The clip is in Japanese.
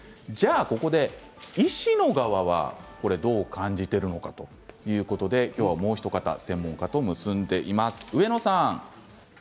では医師の側は、これをどう感じているのかということで今日はもうひと方専門家と結んでいます。